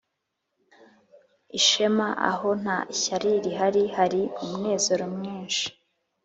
ishema aho nta ishyari rihari, hari umunezero mwinshi;